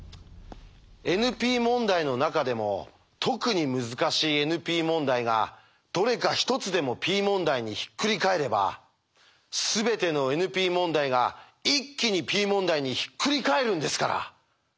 ＮＰ問題の中でも特に難しいＮＰ問題がどれか１つでもＰ問題にひっくり返ればすべてのＮＰ問題が一気にＰ問題にひっくり返るんですから。